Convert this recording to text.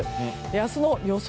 明日の予想